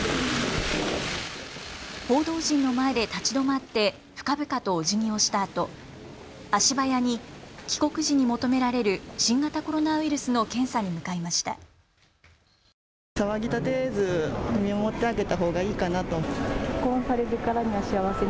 報道陣の前で立ち止まって深々とおじぎをしたあと足早に帰国時に求められる新型コロナウイルスの検査に向かいました。